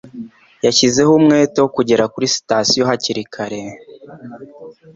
Yashyizeho umwete wo kugera kuri sitasiyo hakiri kare.